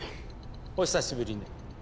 お久しぶりね。